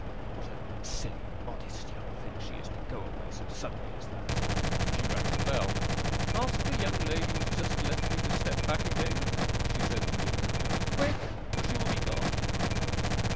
What a silly modest young thing she is, to go away so suddenly as that!' She rang the bell. 'Ask the young lady who has just left me to step back again,' she said to the attendant. 'Quick! or she will be gone.